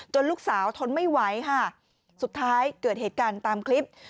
ลูกสาวทนไม่ไหวค่ะสุดท้ายเกิดเหตุการณ์ตามคลิป